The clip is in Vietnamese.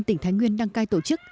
tỉnh thái nguyên đăng cai tổ chức